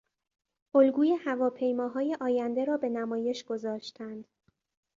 الگوی هواپیماهای آینده را به نمایش گذاشتند.